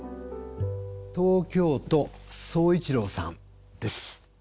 東京都壮一朗さんです。